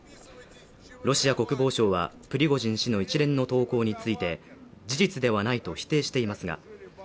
ロシア国防省は、プリゴジン氏の一連の投稿について、事実ではないと否定しています